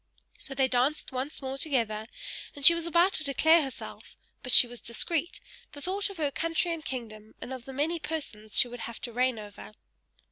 So they danced once more together; and she was about to declare herself, but she was discreet; she thought of her country and kingdom, and of the many persons she would have to reign over.